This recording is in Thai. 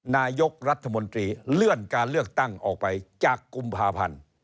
นายกรัฐมนตรีเลื่อนการเลือกตั้งออกไปจากกุมภาพันธ์